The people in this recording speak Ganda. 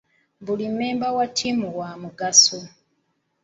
Buli member wa tiimu wa mugaso.